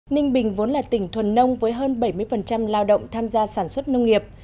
ninh bình vốn là tỉnh thuần nông với hơn bảy mươi lao động tham gia sản xuất nông nghiệp